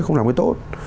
không làm cái tốt